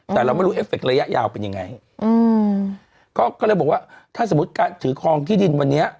แต่เราไม่รู้เอฟเคระยะยาวเป็นยังไงอืมก็เลยบอกว่าถ้าสมมุติการถือคลองที่ดินวันนี้